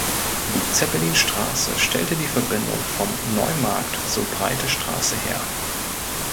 Die Zeppelinstraße stellte die Verbindung vom Neumarkt zur Breite Straße her.